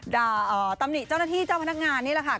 ตำหนิเจ้าหน้าที่เจ้าพนักงานนี่แหละค่ะ